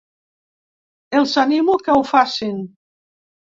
Els animo que ho facin.